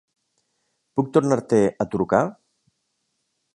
Puc tornar-te a trucar?